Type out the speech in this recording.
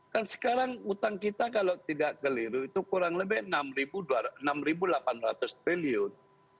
kan sekarang utang kita kalau tidak keliru itu kurang lebih enam delapan ratus triliun